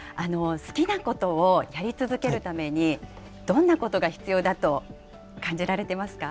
好きなことをやり続けるために、どんなことが必要だと感じられてますか。